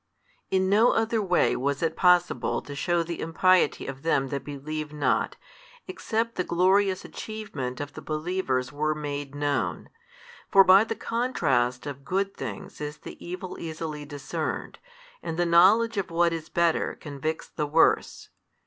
In no other way was it possible to shew the impiety of them that believe not, except the glorious achievement of the believers were made known. For by the contrast of good things is the evil easily discerned, and the knowledge of what is better convicts the worse.